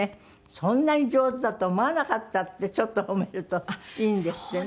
「そんなに上手だと思わなかった」ってちょっと褒めるといいんですってね？